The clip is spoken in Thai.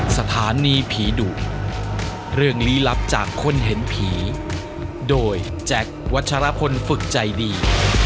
สถานีผีดุเรื่องลี้ลับจากคนเห็นผีโดยแจ็ควัชรพลฝึกใจดี